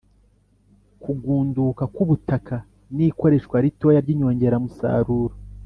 kugunduka kw'ubutaka n'ikoreshwa ritoya ry'inyongeramusaruro